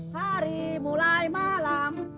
hari mulai malam